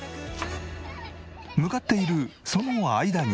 向かっているその間に。